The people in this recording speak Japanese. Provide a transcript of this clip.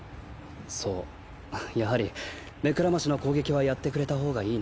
そうやはり目くらましの攻撃はやってくれた方がいいな。